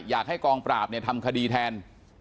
อยากให้กองปราบเนี่ยทำคดีแทน